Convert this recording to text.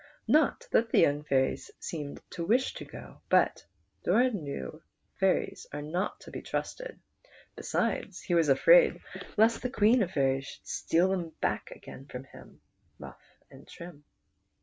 Not that the young fairies seemed to wish to go ; but Doran knew that fairies are not to be trusted, besides he was afraid lest the Queen of the Fairies should steal these back again from him, Muff, and Trim.